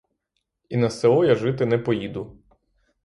І на село я жити не поїду.